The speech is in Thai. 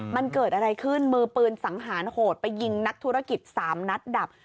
มันเกิดอะไรขึ้นมือปืนสังหารโหดไปยิงนักธุรกิจ๓นัดดับ